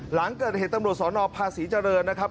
หลังเกิดเหตุตำรวจสนภาษีเจริญนะครับ